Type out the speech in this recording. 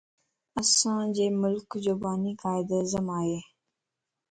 اسان جي ملڪ جو باني قائد اعظم ائي